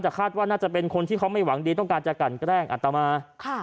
แต่คาดว่าน่าจะเป็นคนที่เขาไม่หวังดีต้องการจะกันแกล้งอัตมา